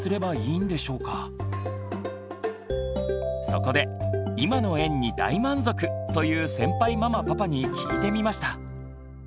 そこで今の園に大満足！という先輩ママパパに聞いてみました。